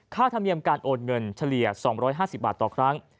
ธรรมเนียมการโอนเงินเฉลี่ย๒๕๐บาทต่อครั้ง